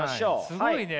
すごいね！